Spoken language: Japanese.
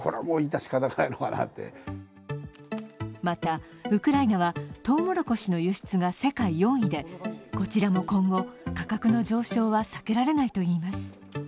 また、ウクライナは、とうもろこしの輸出が世界４位でこちらも今後、価格の上昇は避けられないといいます。